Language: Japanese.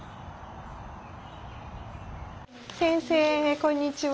先生こんにちは。